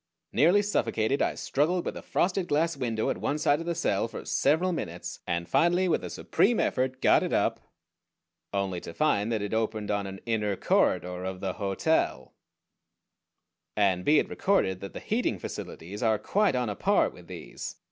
Nearly suffocated, I struggled with the frosted glass window at one side of the cell for several minutes, and finally with a supreme effort got it up: only to find that it opened on an inner corridor of the hotel. And be it recorded that the heating facilities are quite on a par with these.